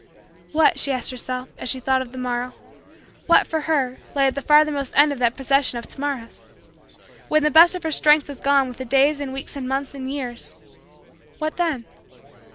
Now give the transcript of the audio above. What she asked herself as she thought of the morrow what, for her, lay at the farthermost end of that procession of to morrows? When the best of her strength was gone with the days and weeks and months and years what then?